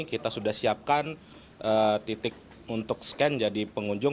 kita sudah siapkan titik untuk scan jadi pengunjung